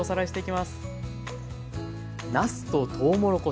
なすととうもろこし